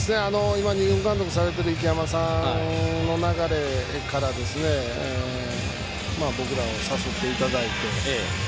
今、２軍監督をされている池山さんの流れから僕らを誘っていただいて。